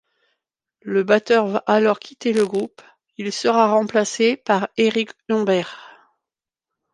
Le batteur va alors quitter le groupe, il sera remplacé par Eric Humbert.